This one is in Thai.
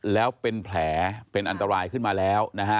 แล้วเป็นแผลเป็นอันตรายขึ้นมาแล้วนะฮะ